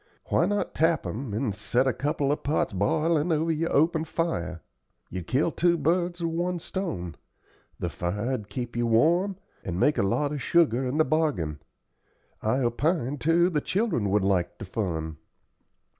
Why not tap 'em, and set a couple of pots b'ilin' over your open fire? You'd kill two birds with one stone; the fire'd keep you warm, and make a lot of sugar in the bargain. I opinion, too, the children would like the fun."